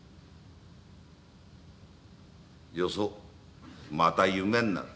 よそ、また夢になる。